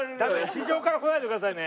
地上から来ないでくださいね。